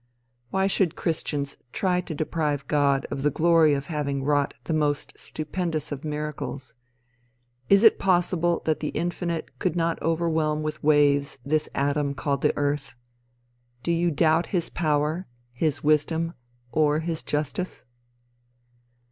Why should christians try to deprive God of the glory of having wrought the most stupendous of miracles? Is it possible that the Infinite could not overwhelm with waves this atom called the Earth? Do you doubt his power, his wisdom or his justice?